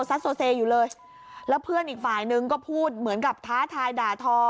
ซัสโซเซอยู่เลยแล้วเพื่อนอีกฝ่ายนึงก็พูดเหมือนกับท้าทายด่าทอ